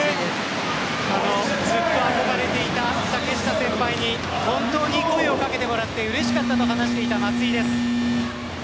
ずっと憧れていた竹下先輩に本当に声を掛けてもらってうれしかったと話していた松井です。